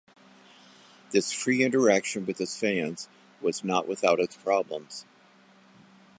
This free interaction with his fans was not without its problems.